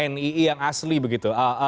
nii yang asli begitu